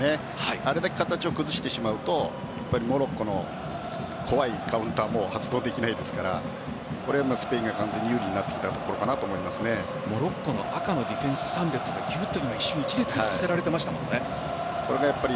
あれだけ形を崩してしまうとモロッコの怖いカウンターも発動できないですからスペインが完全に有利になってきたモロッコの赤のディフェンス３列が一瞬、一列にさせてられましたもんね。